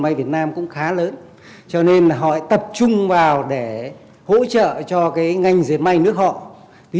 may việt nam cũng khá lớn cho nên là họ tập trung vào để hỗ trợ cho cái ngành diệt may nước họ vì